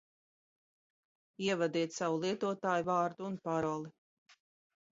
Ievadiet savu lietotājvārdu un paroli